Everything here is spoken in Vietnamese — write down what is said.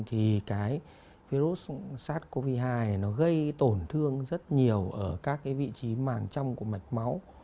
thì cái virus sars cov hai này nó gây tổn thương rất nhiều ở các cái vị trí màng trong của mạch máu